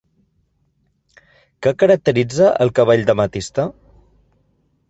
Què caracteritza el cabell d'ametista?